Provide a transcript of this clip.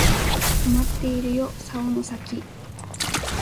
とまっているよ竿の先